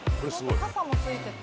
傘も付いてて。